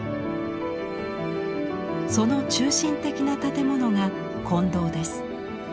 その中心的な建物が金堂です。